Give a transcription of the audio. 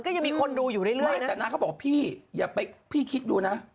ก็ยังมีคนดูอยู่เรื่อยไม่แต่นางก็บอกพี่อย่าไปพี่คิดดูนะ